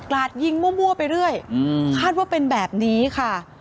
ลาดยิงมั่วไปเรื่อยคาดว่าเป็นแบบนี้ค่ะ